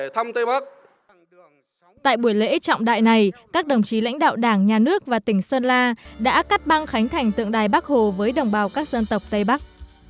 tại buổi lễ trọng đại này các đồng chí lãnh đạo đảng nhà nước và tỉnh sơn la đã cắt băng khánh thành tượng đài bắc hồ với đồng bào các dân tộc tây bắc